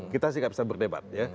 kita sih nggak bisa berdebat ya